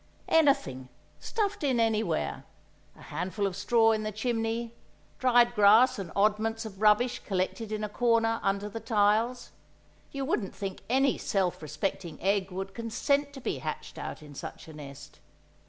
Anything, stuffed in anywhere; a handful of straw in the chimney; dried grass and oddments of rubbish collected in a corner under the tiles; you wouldn't think any self respecting egg would consent to be hatched out in such a nest!